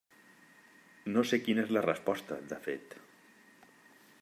No sé quina és la resposta, de fet.